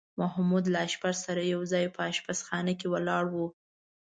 محمود له اشپز سره یو ځای په اشپزخانه کې ولاړ و.